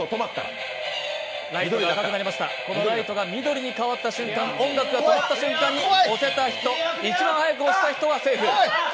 このライトが緑になった瞬間、音楽が終わった瞬間に一番速く押した人がセーフ。